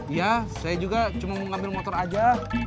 iya saya juga cuma mau ngambil motor aja